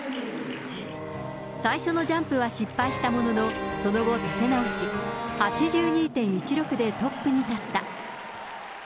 最初のジャンプは失敗したものの、その後、立て直し、８２．１６でトップに立った。